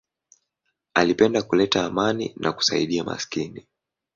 Alipenda kuleta amani na kusaidia maskini.